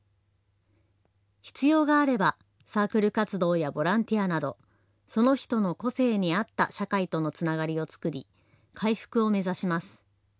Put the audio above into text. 必要があればサークル活動やボランティアなどその人の個性に合った社会とのつながりを作り回復を目指します。